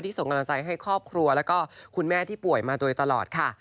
ส่งกำลังใจให้ครอบครัวแล้วก็คุณแม่ที่ป่วยมาโดยตลอดค่ะ